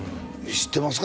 知ってますか？